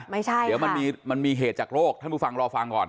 เดี๋ยวมันมีเหตุจากโรคท่านผู้ฟังรอฟังก่อน